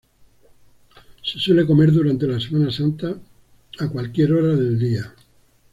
Se suele comer durante la Semana Santa a cualquier hora del día.